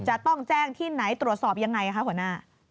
จะต้องแจ้งที่ไหนตรวจสอบยังไงคะหัวหน้า